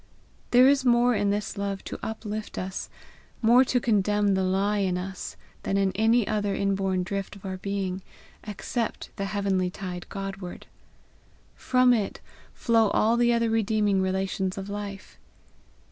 There is more in this love to uplift us, more to condemn the lie in us, than in any other inborn drift of our being, except the heavenly tide Godward. From it flow all the other redeeming relations of life.